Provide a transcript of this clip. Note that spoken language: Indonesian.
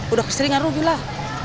udah keseringan rugi lah